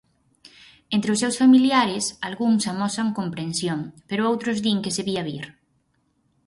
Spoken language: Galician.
Entre os seus familiares, algúns amosan comprensión, pero outros din que se vía vir.